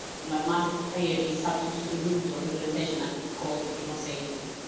The mathematics here is subject to individual implementation, and is called demosaicing.